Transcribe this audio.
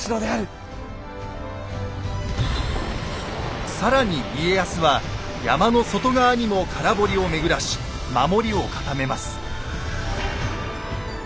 もう更に家康は山の外側にも空堀を巡らし守りを固めます。